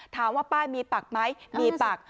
ถามว่าป้ายมีปักไหมมีปัก